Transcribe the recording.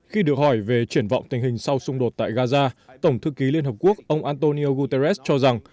khi được hỏi về triển vọng tình hình sau xung đột tại gaza tổng thư ký liên hợp quốc ông antonio guterres cho rằng